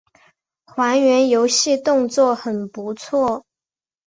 还原游戏动作很不错